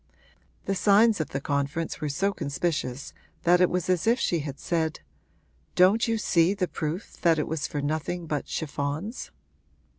The signs of the conference were so conspicuous that it was as if she had said, 'Don't you see the proof that it was for nothing but chiffons?'